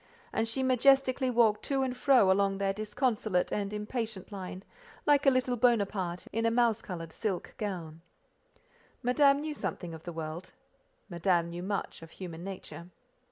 And she majestically walked to and fro along their disconsolate and impatient line, like a little Bonaparte in a mouse coloured silk gown. Madame knew something of the world; Madame knew much of human nature.